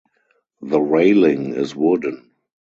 The railing is wooden.